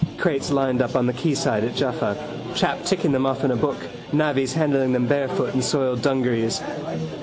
Crates lined up on the quayside at Jaffa, chap ticking them off in a book, navvies handling them barefoot in soiled dungarees.